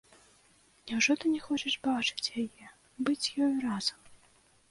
Няўжо ты не хочаш бачыць яе, быць з ёю разам?